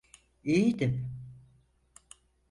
İyiydim.